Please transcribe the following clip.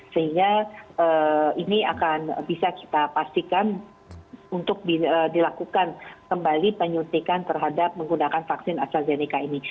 sehingga ini akan bisa kita pastikan untuk dilakukan kembali penyuntikan terhadap menggunakan vaksin astrazeneca ini